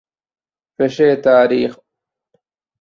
ފެށޭ ތާރީޚު